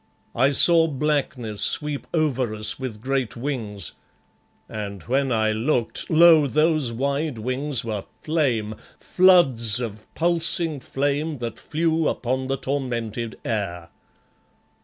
I saw blackness sweep over us with great wings, and when I looked, lo! those wide wings were flame, floods of pulsing flame that flew upon the tormented air.